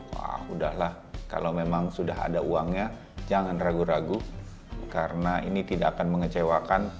wah udahlah kalau memang sudah ada uangnya jangan ragu ragu karena ini tidak akan mengecewakan